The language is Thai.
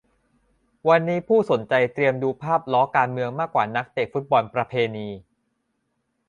วันนี้ผู้คนสนใจเตรียมดูภาพล้อการเมืองมากกว่านักเตะฟุตบอลประเพณี